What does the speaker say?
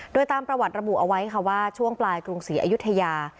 โดยตามประวัติระบุเอาไว้ค่ะว่าช่วงปลายกรุงศรีอยุธยา